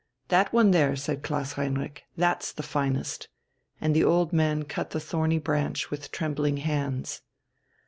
"That one there," said Klaus Heinrich, "that's the finest." And the old man cut the thorny branch with trembling hands.